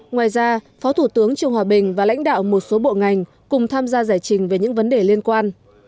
ngoài ra phó thủ tướng trương hòa bình và lãnh đạo một số bộ ngành cùng tham gia giải trình về những vấn đề liên quan